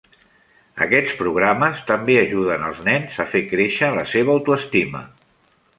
Aquests programes també ajuden els nens a fer créixer la seva autoestima.